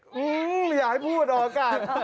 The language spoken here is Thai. หืงอย่าให้พูดเอาออกการ